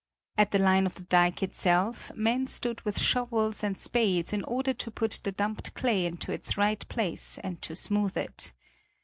At the line of the dike itself men stood with shovels and spades in order to put the dumped clay into its right place and to smooth it.